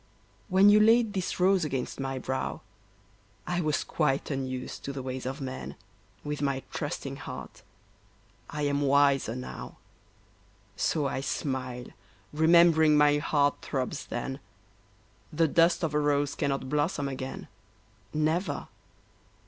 When you laid this rose against my brow, I was quite unused to the ways of men, With my trusting heart; I am wiser now, So I smile, remembering my heart throbs then, The dust of a rose cannot blossom again, Never.